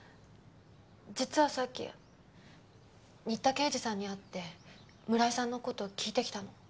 実はさっき新田刑事さんに会って村井さんの事聞いてきたの。